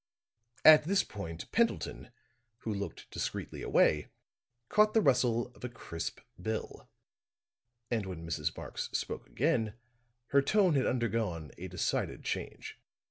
At this point, Pendleton, who looked discreetly away, caught the rustle of a crisp bill; and when Mrs. Marx spoke again, her tone had undergone a decided change.